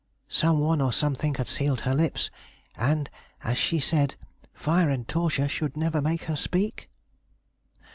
Some one or something had sealed her lips, and, as she said, 'Fire and torture should never make her speak.